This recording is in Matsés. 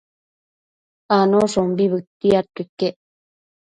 Anoshombi bëtiadquio iquec